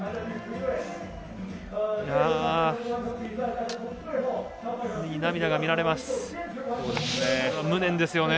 目に涙が見られます。